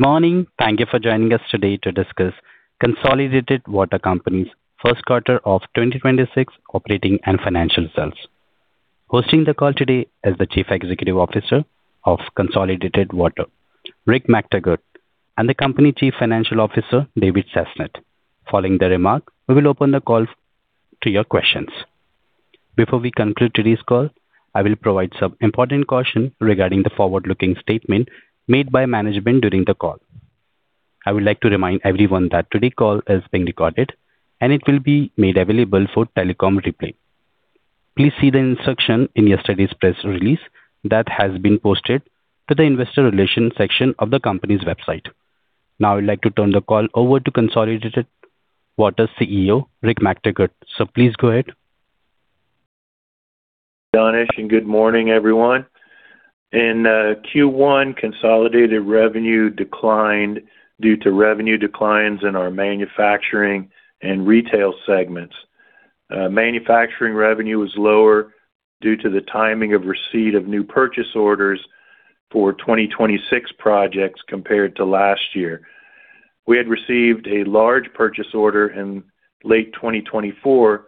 Morning. Thank you for joining us today to discuss Consolidated Water Company's first quarter of 2026 operating and financial results. Hosting the call today is the Chief Executive Officer of Consolidated Water, Rick McTaggart, and the Company Chief Financial Officer, David Sasnett. Following the remark, we will open the call to your questions. Before we conclude today's call, I will provide some important caution regarding the forward-looking statement made by management during the call. I would like to remind everyone that today's call is being recorded, and it will be made available for telecom replay. Please see the instruction in yesterday's press release that has been posted to the investor relations section of the Company's website. I'd like to turn the call over to Consolidated Water CEO, Rick McTaggart. Please go ahead. Danish. Good morning, everyone. In Q1, consolidated revenue declined due to revenue declines in our manufacturing and retail segments. Manufacturing revenue was lower due to the timing of receipt of new purchase orders for 2026 projects compared to last year. We had received a large purchase order in late 2024,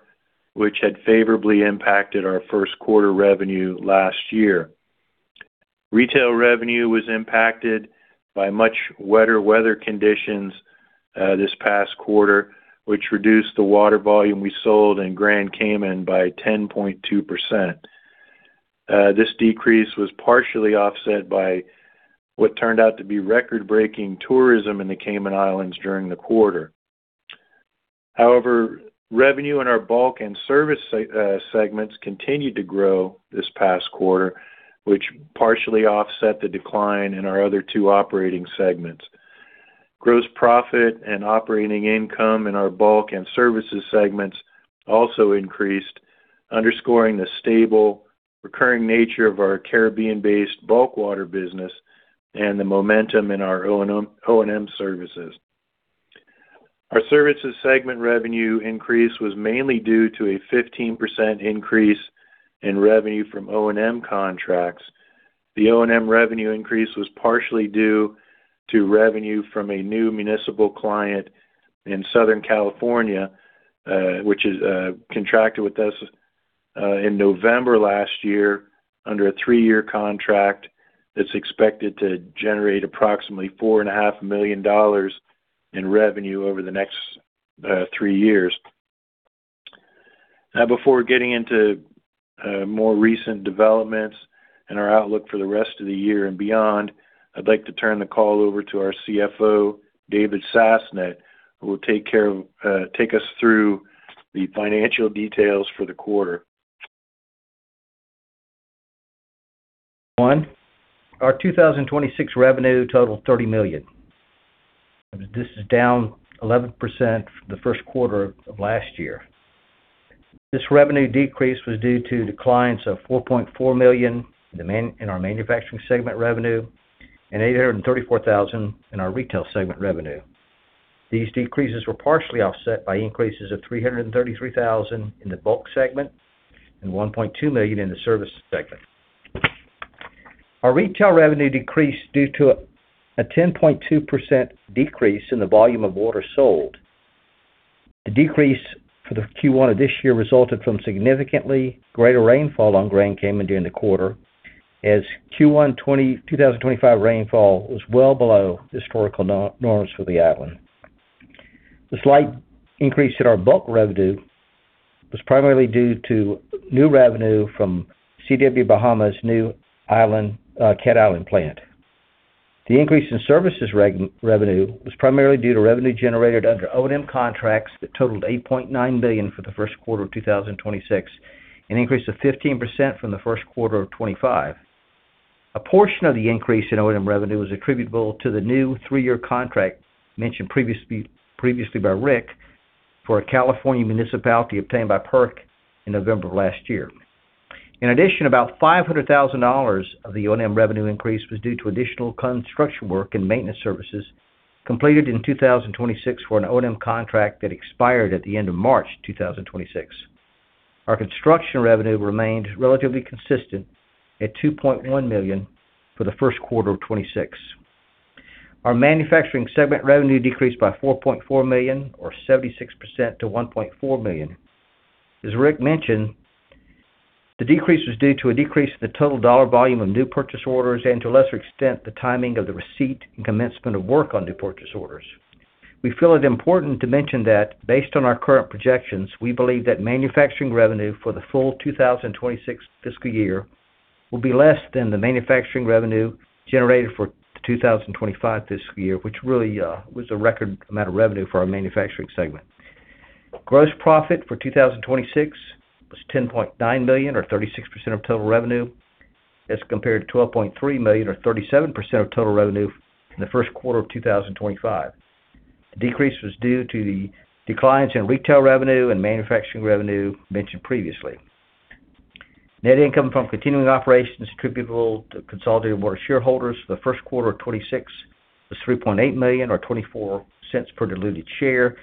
which had favorably impacted our first quarter revenue last year. Retail revenue was impacted by much wetter weather conditions this past quarter, which reduced the water volume we sold in Grand Cayman by 10.2%. This decrease was partially offset by what turned out to be record-breaking tourism in the Cayman Islands during the quarter. Revenue in our bulk and service segments continued to grow this past quarter, which partially offset the decline in our other two operating segments. Gross profit and operating income in our bulk and services segments also increased, underscoring the stable recurring nature of our Caribbean-based bulk water business and the momentum in our O&M services. Our services segment revenue increase was mainly due to a 15% increase in revenue from O&M contracts. The O&M revenue increase was partially due to revenue from a new municipal client in Southern California, which is contracted with us in November last year under a three-year contract that's expected to generate approximately $4.5 million. In revenue over the next three years. Before getting into more recent developments and our outlook for the rest of the year and beyond, I'd like to turn the call over to our CFO, David Sasnett, who will take us through the financial details for the quarter. Our 2026 revenue totaled $30 million. This is down 11% from the first quarter of last year. This revenue decrease was due to declines of $4.4 million in our manufacturing segment revenue and $834,000 in our retail segment revenue. These decreases were partially offset by increases of $333,000 in the bulk segment and $1.2 million in the service segment. Our retail revenue decreased due to a 10.2% decrease in the volume of water sold. The decrease for the Q1 of this year resulted from significantly greater rainfall on Grand Cayman during the quarter, as Q1 2025 rainfall was well below historical norms for the island. The slight increase in our bulk revenue was primarily due to new revenue from CW Bahamas' new Cat Island plant. The increase in services revenue was primarily due to revenue generated under O&M contracts that totaled $8.9 billion for the first quarter of 2026, an increase of 15% from the first quarter of 2025. A portion of the increase in O&M revenue was attributable to the new three-year contract mentioned previously by Rick for a California municipality obtained by PERC in November of last year. In addition, about $500,000 of the O&M revenue increase was due to additional construction work and maintenance services completed in 2026 for an O&M contract that expired at the end of March 2026. Our construction revenue remained relatively consistent at $2.1 million for the first quarter of 2026. Our manufacturing segment revenue decreased by $4.4 million or 76% to $1.4 million. As Rick mentioned, the decrease was due to a decrease in the total dollar volume of new purchase orders and to a lesser extent, the timing of the receipt and commencement of work on new purchase orders. We feel it important to mention that based on our current projections, we believe that manufacturing revenue for the full 2026 fiscal year will be less than the manufacturing revenue generated for the 2025 fiscal year, which really was a record amount of revenue for our manufacturing segment. Gross profit for 2026 was $10.9 million or 36% of total revenue as compared to $12.3 million or 37% of total revenue in the first quarter of 2025. The decrease was due to the declines in retail revenue and manufacturing revenue mentioned previously. Net income from continuing operations attributable to Consolidated Water shareholders for the first quarter of 2026 was $3.8 million or $0.24 per diluted share.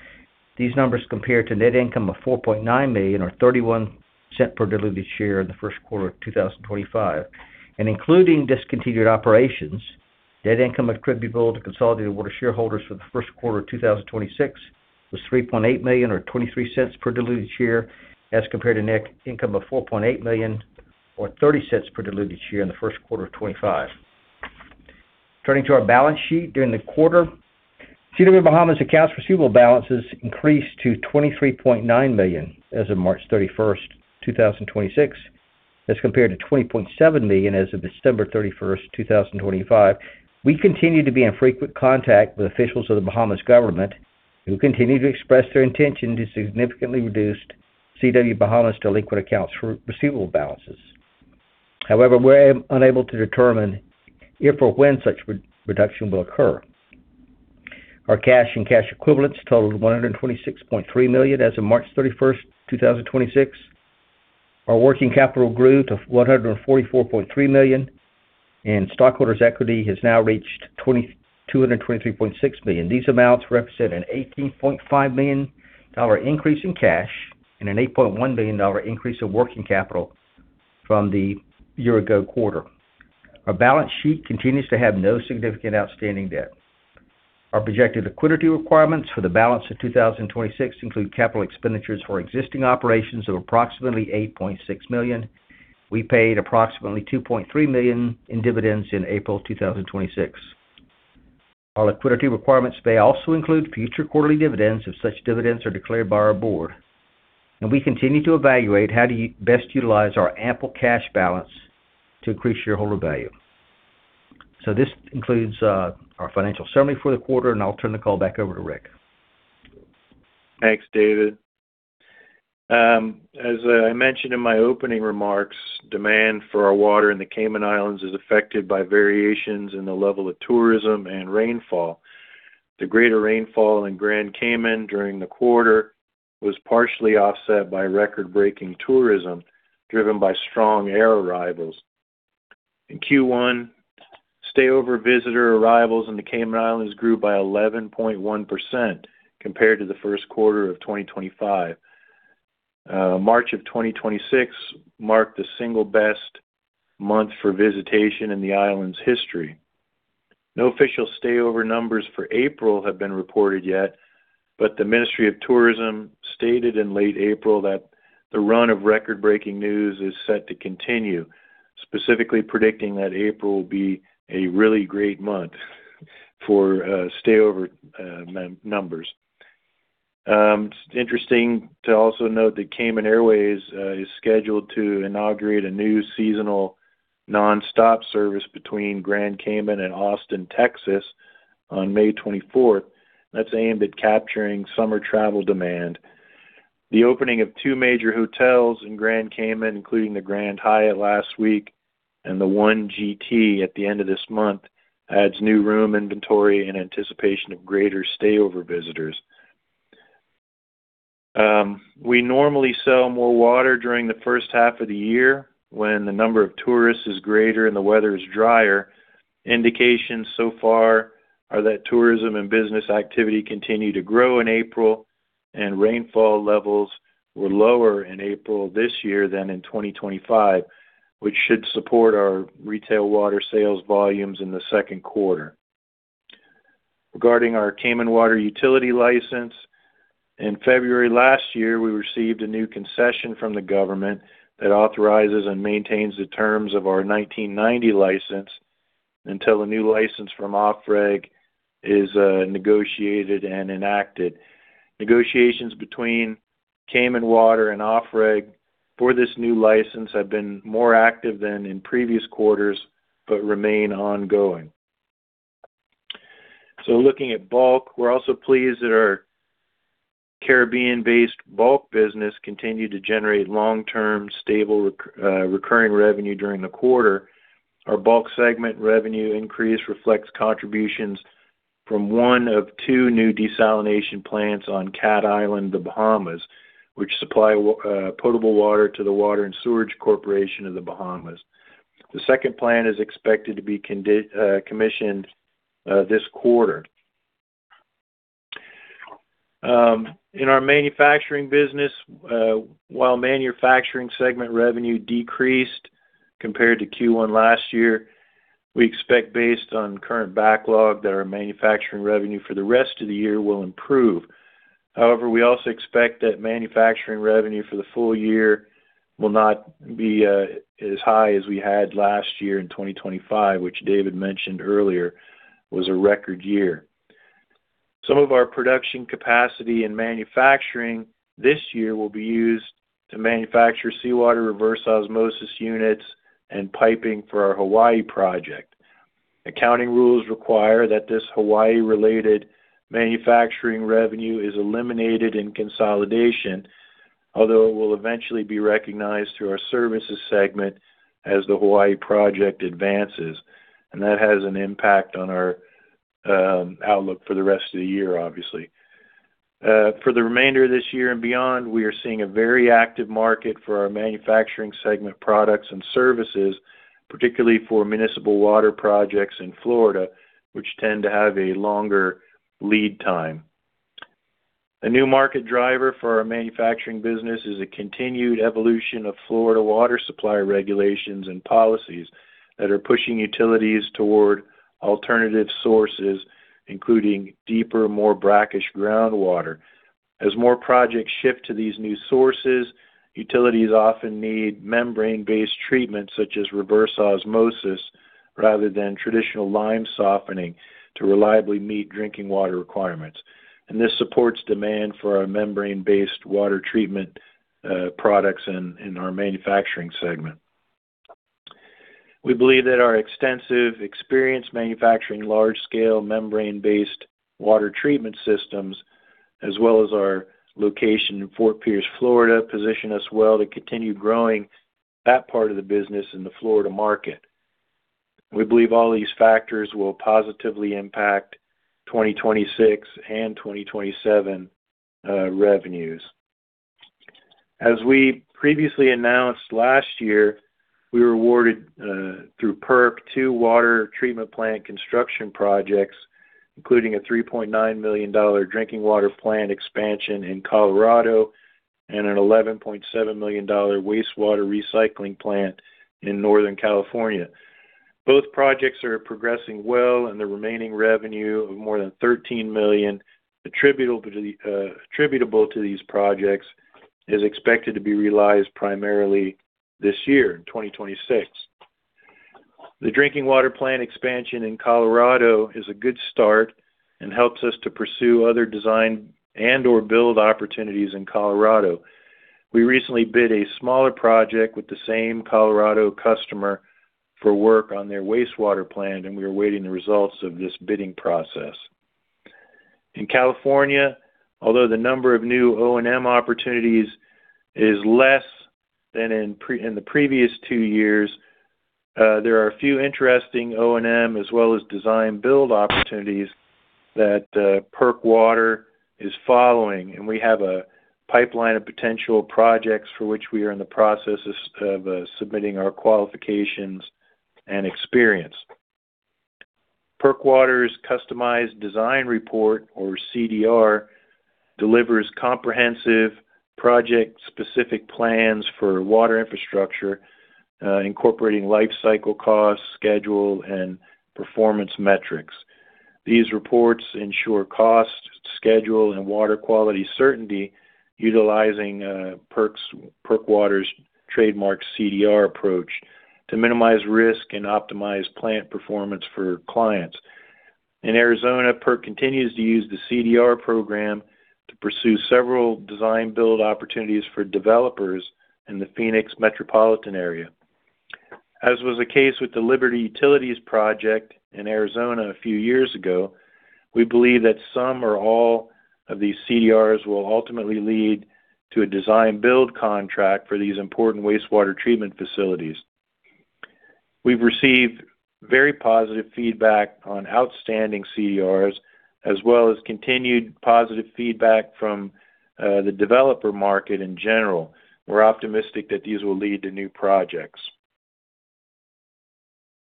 These numbers compare to net income of $4.9 million or $0.31 per diluted share in the first quarter of 2025. Including discontinued operations, net income attributable to Consolidated Water shareholders for the first quarter of 2026 was $3.8 million, or $0.23 per diluted share as compared to net income of $4.8 million, or $0.30 per diluted share in the first quarter of 2025. Turning to our balance sheet. During the quarter, CW Bahamas accounts receivable balances increased to $23.9 million as of March 31, 2026 as compared to $20.7 million as of December 31, 2025. We continue to be in frequent contact with officials of the Bahamas government who continue to express their intention to significantly reduce CW Bahamas' delinquent accounts receivable balances. We're unable to determine if or when such reduction will occur. Our cash and cash equivalents totaled $126.3 million as of March 31, 2026. Our working capital grew to $144.3 million, and stockholders' equity has now reached $223.6 million. These amounts represent an $18.5 million increase in cash and an $8.1 million increase of working capital from the year-ago quarter. Our balance sheet continues to have no significant outstanding debt. Our projected liquidity requirements for the balance of 2026 include capital expenditures for existing operations of approximately $8.6 million. We paid approximately $2.3 million in dividends in April 2026. Our liquidity requirements may also include future quarterly dividends if such dividends are declared by our board. We continue to evaluate how to best utilize our ample cash balance to increase shareholder value. This includes our financial summary for the quarter, and I'll turn the call back over to Rick. Thanks, David. As I mentioned in my opening remarks, demand for our water in the Cayman Islands is affected by variations in the level of tourism and rainfall. The greater rainfall in Grand Cayman during the quarter was partially offset by record-breaking tourism driven by strong air arrivals. In Q1, stayover visitor arrivals in the Cayman Islands grew by 11.1% compared to the first quarter of 2025. March of 2026 marked the single best month for visitation in the island's history. No official stayover numbers for April have been reported yet, but the Ministry of Tourism stated in late April that the run of record-breaking news is set to continue, specifically predicting that April will be a really great month for stayover numbers. It's interesting to also note that Cayman Airways is scheduled to inaugurate a new seasonal nonstop service between Grand Cayman and Austin, Texas on May 24th. That's aimed at capturing summer travel demand. The opening of two major hotels in Grand Cayman, including the Grand Hyatt last week and the 1GT at the end of this month, adds new room inventory in anticipation of greater stayover visitors. We normally sell more water during the first half of the year when the number of tourists is greater and the weather is drier. Indications so far are that tourism and business activity continued to grow in April, and rainfall levels were lower in April this year than in 2025, which should support our retail water sales volumes in the second quarter. Regarding our Cayman Water utility license, in February last year, we received a new concession from the government that authorizes and maintains the terms of our 1990 license until a new license from OfReg is negotiated and enacted. Negotiations between Cayman Water and OfReg for this new license have been more active than in previous quarters but remain ongoing. Looking at bulk, we're also pleased that our Caribbean-based bulk business continued to generate long-term, stable recurring revenue during the quarter. Our bulk segment revenue increase reflects contributions from one of two new desalination plants on Cat Island, The Bahamas, which supply potable water to the Water and Sewerage Corporation of The Bahamas. The second plant is expected to be commissioned this quarter. In our manufacturing business, while manufacturing segment revenue decreased compared to Q1 last year, we expect based on current backlog that our manufacturing revenue for the rest of the year will improve. However, we also expect that manufacturing revenue for the full year will not be as high as we had last year in 2025, which David mentioned earlier was a record year. Some of our production capacity in manufacturing this year will be used to manufacture seawater reverse osmosis units and piping for our Hawaii project. Accounting rules require that this Hawaii-related manufacturing revenue is eliminated in consolidation, although it will eventually be recognized through our services segment as the Hawaii project advances. That has an impact on our outlook for the rest of the year, obviously. For the remainder of this year and beyond, we are seeing a very active market for our manufacturing segment products and services, particularly for municipal water projects in Florida, which tend to have a longer lead time. A new market driver for our manufacturing business is a continued evolution of Florida water supply regulations and policies that are pushing utilities toward alternative sources, including deeper, more brackish groundwater. As more projects shift to these new sources, utilities often need membrane-based treatments such as reverse osmosis rather than traditional lime softening to reliably meet drinking water requirements. This supports demand for our membrane-based water treatment products in our manufacturing segment. We believe that our extensive experience manufacturing large-scale membrane-based water treatment systems, as well as our location in Fort Pierce, Florida, position us well to continue growing that part of the business in the Florida market. We believe all these factors will positively impact 2026 and 2027 revenues. As we previously announced last year, we were awarded through PERC, two water treatment plant construction projects, including a $3.9 million drinking water plant expansion in Colorado and an $11.7 million wastewater recycling plant in Northern California. Both projects are progressing well, the remaining revenue of more than $13 million, attributable to these projects, is expected to be realized primarily this year in 2026. The drinking water plant expansion in Colorado is a good start and helps us to pursue other design and or build opportunities in Colorado. We recently bid a smaller project with the same Colorado customer for work on their wastewater plant, we are awaiting the results of this bidding process. In California, although the number of new O&M opportunities is less than in the previous two years, there are a few interesting O&M as well as design-build opportunities that PERC Water is following, and we have a pipeline of potential projects for which we are in the process of submitting our qualifications and experience. PERC Water's Customized Design Report, or CDR, delivers comprehensive project-specific plans for water infrastructure, incorporating life cycle costs, schedule, and performance metrics. These reports ensure cost, schedule, and water quality certainty utilizing PERC Water's trademark CDR approach to minimize risk and optimize plant performance for clients. In Arizona, PERC continues to use the CDR program to pursue several design-build opportunities for developers in the Phoenix metropolitan area. As was the case with the Liberty Utilities project in Arizona a few years ago, we believe that some or all of these CDRs will ultimately lead to a design-build contract for these important wastewater treatment facilities. We've received very positive feedback on outstanding CDRs, as well as continued positive feedback from the developer market in general. We're optimistic that these will lead to new projects.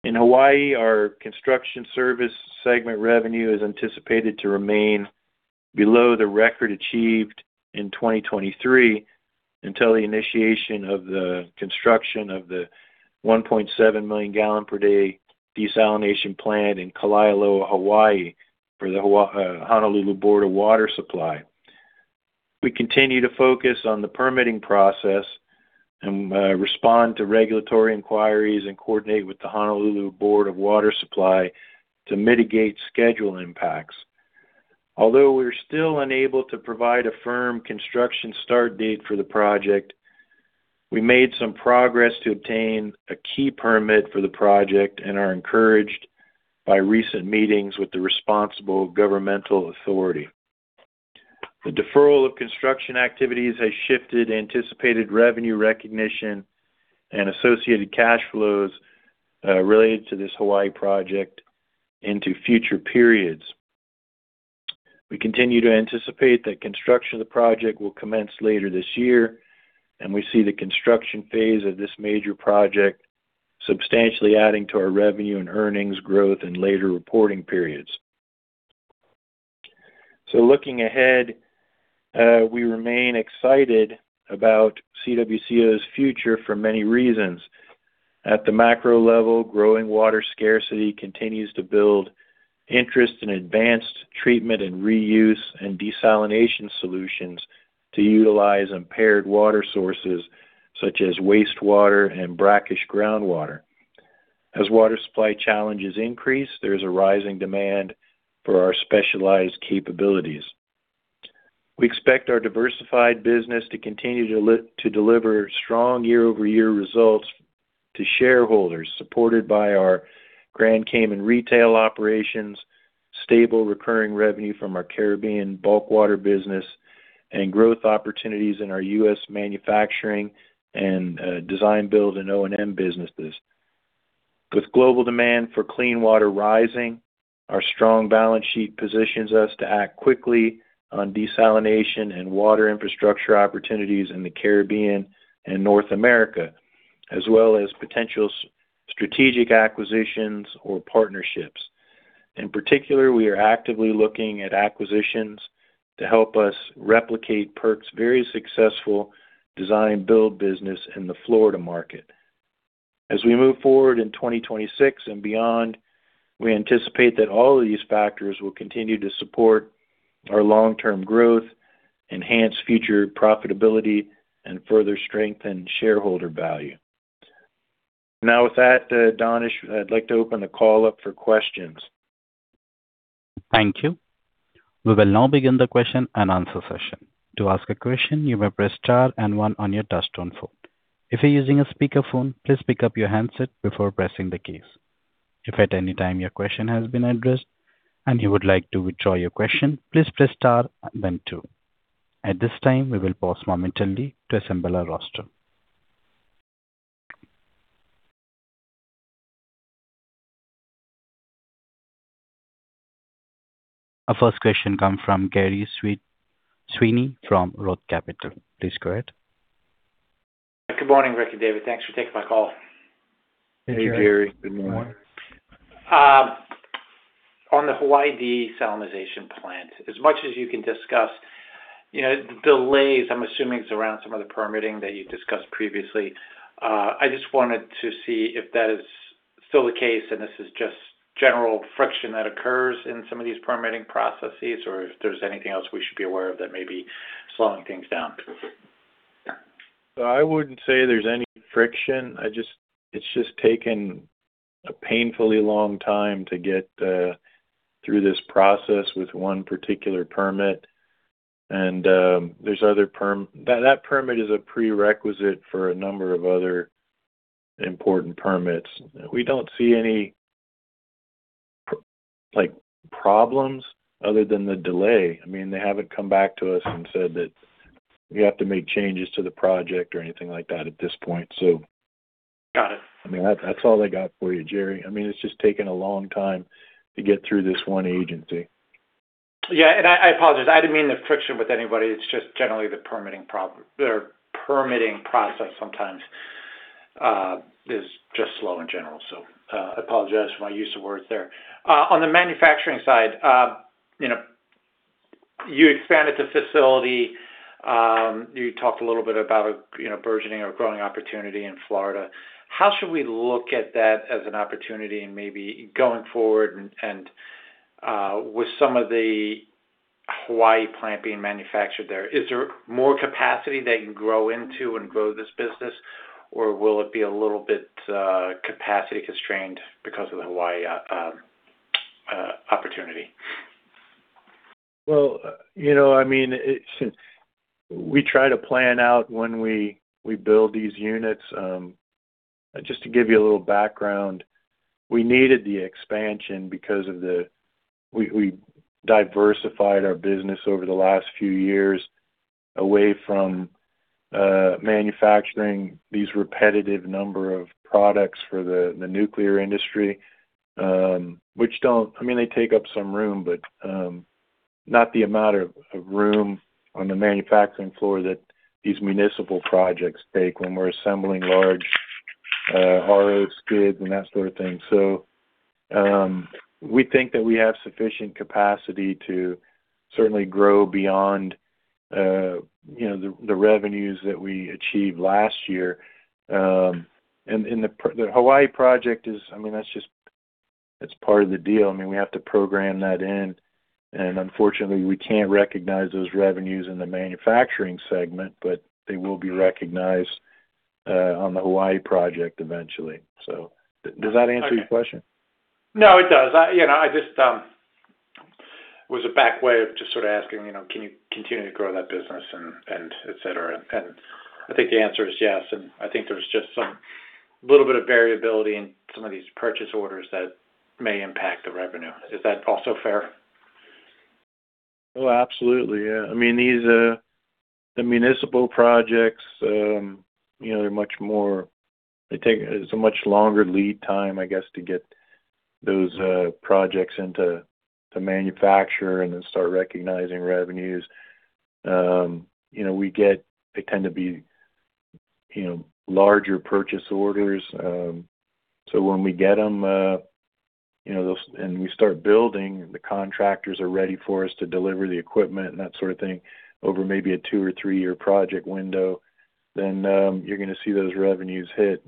In Hawaii, our construction service segment revenue is anticipated to remain below the record achieved in 2023 until the initiation of the construction of the 1.7 million gallon per day desalination plant in Kalaeloa, Hawaii, for the Honolulu Board of Water Supply. We continue to focus on the permitting process and respond to regulatory inquiries and coordinate with the Honolulu Board of Water Supply to mitigate schedule impacts. Although we're still unable to provide a firm construction start date for the project, we made some progress to obtain a key permit for the project and are encouraged by recent meetings with the responsible governmental authority. The deferral of construction activities has shifted anticipated revenue recognition and associated cash flows related to this Hawaii project into future periods. We continue to anticipate that construction of the project will commence later this year, and we see the construction phase of this major project substantially adding to our revenue and earnings growth in later reporting periods. Looking ahead, we remain excited about CWCO's future for many reasons. At the macro level, growing water scarcity continues to build interest in advanced treatment and reuse and desalination solutions to utilize impaired water sources such as wastewater and brackish groundwater. As water supply challenges increase, there is a rising demand for our specialized capabilities. We expect our diversified business to continue to deliver strong year-over-year results to shareholders, supported by our Grand Cayman retail operations, stable recurring revenue from our Caribbean bulk water business, and growth opportunities in our U.S. manufacturing and design-build and O&M businesses. With global demand for clean water rising, our strong balance sheet positions us to act quickly on desalination and water infrastructure opportunities in the Caribbean and North America, as well as potential strategic acquisitions or partnerships. In particular, we are actively looking at acquisitions to help us replicate PERC's very successful design-build business in the Florida market. As we move forward in 2026 and beyond, we anticipate that all of these factors will continue to support our long-term growth, enhance future profitability, and further strengthen shareholder value. Now, with that, Danish, I'd like to open the call up for questions. Thank you. We will now begin the question and answer session. At this time, we will pause momentarily to assemble our roster. Our first question come from Gerry Sweeney from ROTH Capital. Please go ahead. Good morning, Frederick and David. Thanks for taking my call. Hey, Gerry. Good morning. On the Hawaii desalination plant, as much as you can discuss, you know, the delays, I'm assuming it's around some of the permitting that you discussed previously. I just wanted to see if that is still the case, and this is just general friction that occurs in some of these permitting processes, or if there's anything else we should be aware of that may be slowing things down. I wouldn't say there's any friction. It's just taken a painfully long time to get through this process with one particular permit. That permit is a prerequisite for a number of other important permits. We don't see any like, problems other than the delay. I mean, they haven't come back to us and said that we have to make changes to the project or anything like that at this point. Got it. I mean, that's all I got for you, Gerry. I mean, it's just taken a long time to get through this one agency. Yeah. I apologize. I didn't mean the friction with anybody. It's just generally the permitting problem. The permitting process sometimes is just slow in general. I apologize for my use of words there. On the manufacturing side, you know, you expanded the facility. You talked a little bit about, you know, burgeoning or growing opportunity in Florida. How should we look at that as an opportunity and maybe going forward and with some of the Hawaii plant being manufactured there? Is there more capacity they can grow into and grow this business, or will it be a little bit capacity constrained because of the Hawaii opportunity? Well, you know, I mean, since we try to plan out when we build these units, just to give you a little background, we needed the expansion. We diversified our business over the last few years away from manufacturing these repetitive number of products for the nuclear industry, which don't, I mean, they take up some room, but not the amount of room on the manufacturing floor that these municipal projects take when we're assembling large RO skids and that sort of thing. We think that we have sufficient capacity to certainly grow beyond, you know, the revenues that we achieved last year. The Hawaii project is, I mean, that's just, it's part of the deal. I mean, we have to program that in. Unfortunately, we can't recognize those revenues in the manufacturing segment, but they will be recognized on the Hawaii project eventually. Does that answer your question? No, it does. I, you know, I just was a back way of just sort of asking, you know, can you continue to grow that business and et cetera. I think the answer is yes. I think there's just some little bit of variability in some of these purchase orders that may impact the revenue. Is that also fair? Absolutely. I mean, the municipal projects, it's a much longer lead time, I guess, to get those projects into the manufacturer and then start recognizing revenues. They tend to be larger purchase orders. When we get them, and we start building, the contractors are ready for us to deliver the equipment and that sort of thing over maybe a two or three-year project window, then you're gonna see those revenues hit.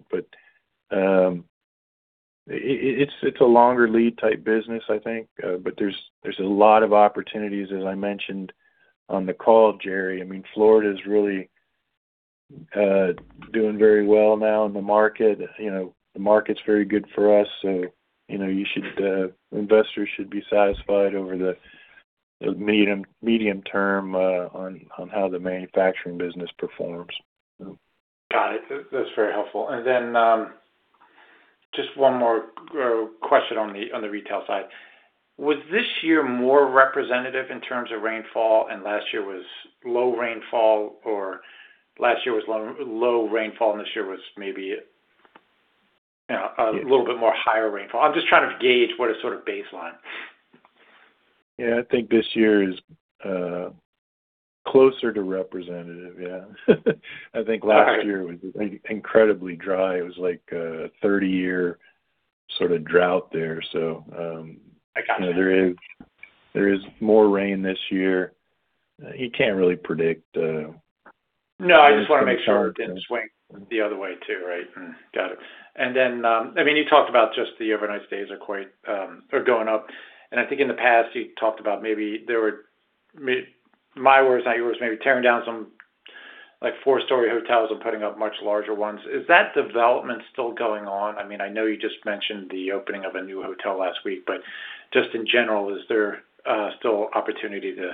It's a longer lead type business, I think. There's a lot of opportunities, as I mentioned on the call, Gerry. I mean, Florida is really doing very well now in the market. You know, the market's very good for us, so, you know, you should, investors should be satisfied over the medium term, on how the manufacturing business performs, so. Got it. That's very helpful. Then, just one more question on the retail side. Was this year more representative in terms of rainfall and last year was low rainfall, or last year was low rainfall and this year was maybe, you know, a little bit more higher rainfall? I'm just trying to gauge what is sort of baseline. I think this year is closer to representative. I think last year was incredibly dry. It was like a 30-year sort of drought there. I gotcha. You know, there is more rain this year. You can't really predict. No, I just wanna make sure it didn't swing the other way too. Right? Got it. Then, I mean, you talked about just the overnight stays are quite going up, and I think in the past you talked about maybe there were, my words, not yours, maybe tearing down some like four-story hotels and putting up much larger ones. Is that development still going on? I mean, I know you just mentioned the opening of a new hotel last week, just in general, is there still opportunity to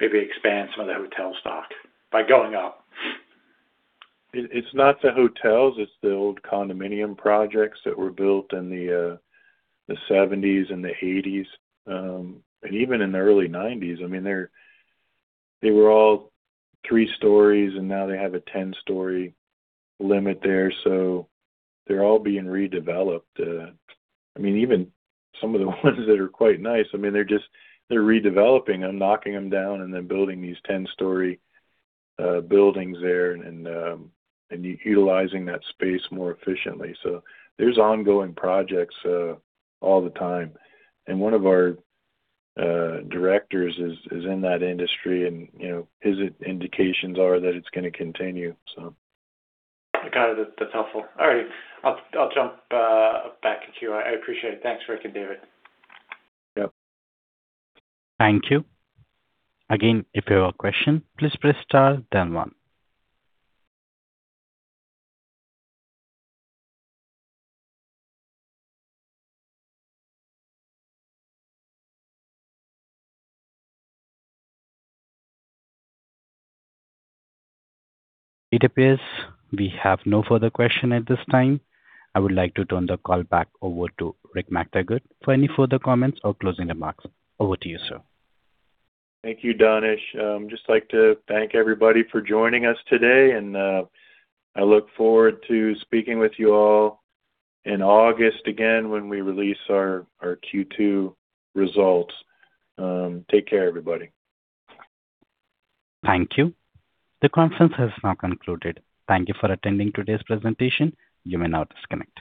maybe expand some of the hotel stock by going up? It's not the hotels, it's the old condominium projects that were built in the 1970s and the 1980s, and even in the early 1990s. I mean, they were all 3 stories, now they have a 10-story limit there. They're all being redeveloped. I mean, even some of the ones that are quite nice. I mean, they're redeveloping and knocking them down and then building these 10-story buildings there and utilizing that space more efficiently. There's ongoing projects all the time. One of our directors is in that industry and, you know, his indications are that it's gonna continue, so. Got it. That's helpful. All right. I'll jump back to you. I appreciate it. Thanks, Rick and David. Yep. Thank you. Again, if you have a question, please press star then one. It appears we have no further question at this time. I would like to turn the call back over to Rick McTaggart for any further comments or closing remarks. Over to you, sir. Thank you, Danish. Just like to thank everybody for joining us today. I look forward to speaking with you all in August again when we release our Q2 results. Take care, everybody. Thank you. The conference has now concluded. Thank you for attending today's presentation. You may now disconnect.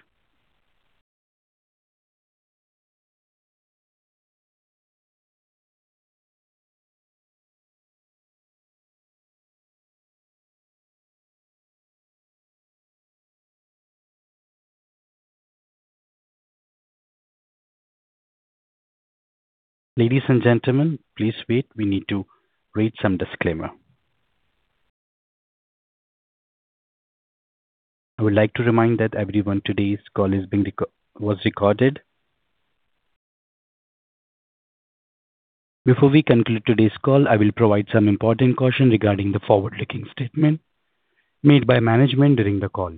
Ladies and gentlemen, please wait. We need to read some disclaimer. I would like to remind that everyone today's call was recorded. Before we conclude today's call, I will provide some important caution regarding the forward-looking statement made by management during the call.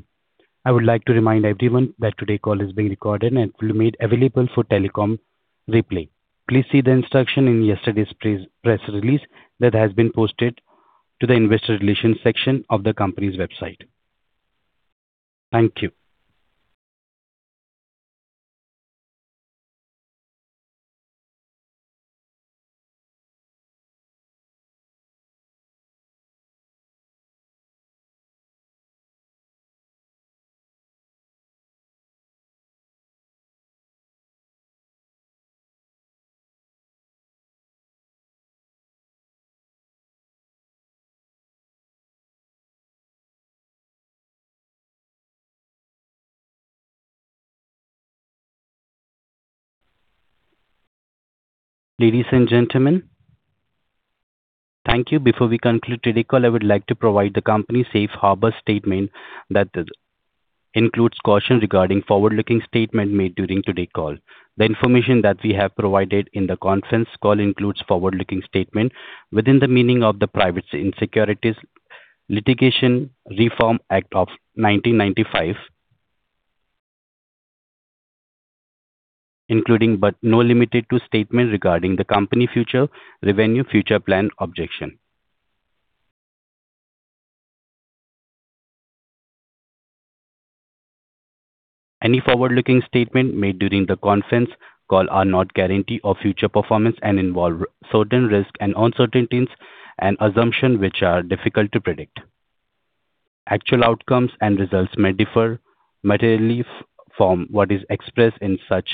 I would like to remind everyone that today's call is being recorded and will be made available for telecom replay. Please see the instruction in yesterday's press release that has been posted to the investor relations section of the company's website. Thank you. Ladies and gentlemen, thank you. Before we conclude today's call, I would like to provide the company's safe harbor statement that includes caution regarding forward-looking statement made during today's call. The information that we have provided in the conference call includes forward-looking statement within the meaning of the Private Securities Litigation Reform Act of 1995. Including but not limited to statement regarding the company future, revenue, future plan, objectives. Any forward-looking statement made during the conference call are not guarantee of future performance and involve certain risks and uncertainties and assumption which are difficult to predict. Actual outcomes and results may differ materially from what is expressed in such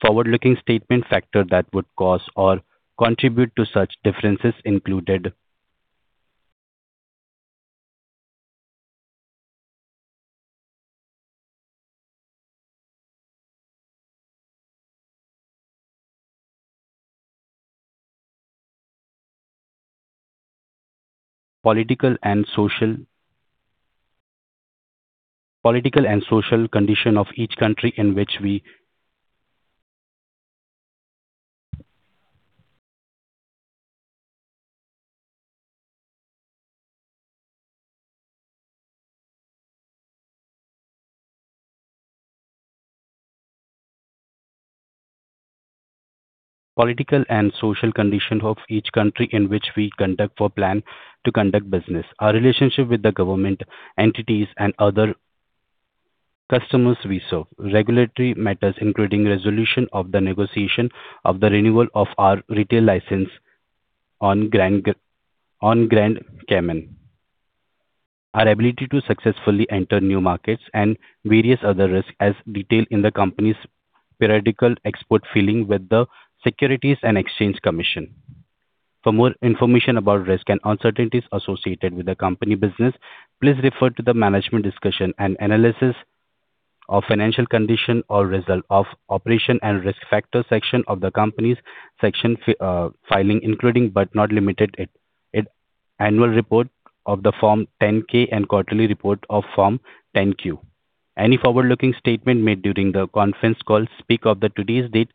forward-looking statement factor that would cause or contribute to such differences included. Political and social condition of each country in which we conduct or plan to conduct business. Our relationship with the government entities and other customers we serve. Regulatory matters, including resolution of the negotiation of the renewal of our retail license on Grand Cayman, our ability to successfully enter new markets and various other risks as detailed in the company's periodic report filing with the Securities and Exchange Commission. For more information about risks and uncertainties associated with the company business, please refer to the Management Discussion and Analysis of Financial Condition or Results of Operations and Risk Factors section of the company's section filing, including but not limited to its annual report on Form 10-K and quarterly report on Form 10-Q. Any forward-looking statement made during the conference call speak as of today's date.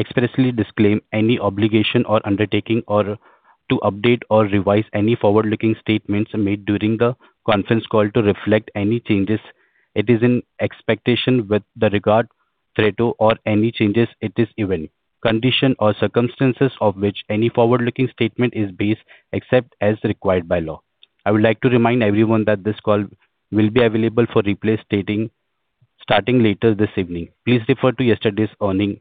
The company expressly disclaim any obligation or undertaking or to update or revise any forward-looking statements made during the conference call to reflect any changes it is in expectation with the regard thereto or any changes it is event, condition or circumstances of which any forward-looking statement is based except as required by law. I would like to remind everyone that this call will be available for replay starting later this evening. Please refer to yesterday's earnings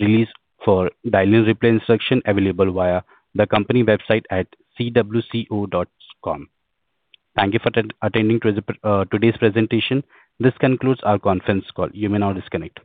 release for dial-in replay instruction available via the company website at cwco.com. Thank you for attending to this today's presentation. This concludes our conference call. You may now disconnect.